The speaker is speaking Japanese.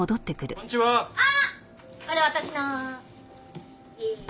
これ私の。